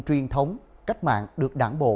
truyền thống cách mạng được đảng bộ